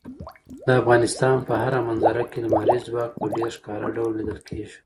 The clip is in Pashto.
د افغانستان په هره منظره کې لمریز ځواک په ډېر ښکاره ډول لیدل کېږي.